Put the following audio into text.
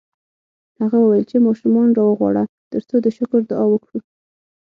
هغه وویل چې ماشومان راوغواړه ترڅو د شکر دعا وکړو